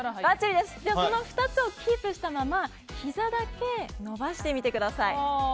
その２つをキープしたままひざだけ伸ばしてみてください。